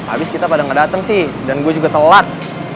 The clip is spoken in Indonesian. abis kita pada ngedateng sih dan gue juga telat